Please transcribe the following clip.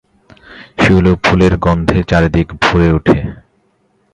শিউলি ফুলের গন্ধে চারিদিক ভরে উঠে।